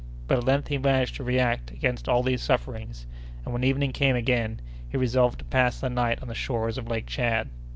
But at length he managed to react against all these sufferings; and when evening came again, he resolved to pass the night on the shores of Lake Tchad.